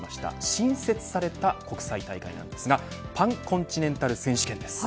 新設された国際大会なんですがパンコンチネンタル選手権です。